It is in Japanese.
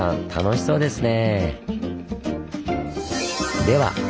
あっそうですね。